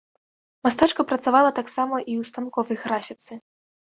Мастачка працавала таксама і ў станковай графіцы.